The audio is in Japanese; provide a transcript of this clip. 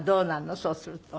そうすると。